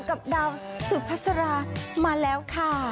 กับดาวซุฟัสรามาแล้วค่ะ